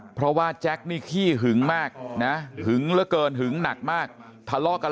เพราะว่าแจ็คนี่ขี้หึงมากนะหึงเหลือเกินหึงหนักมากทะเลาะกัน